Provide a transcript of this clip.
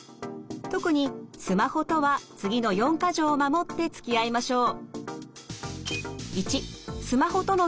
特にスマホとは次の四か条を守ってつきあいましょう。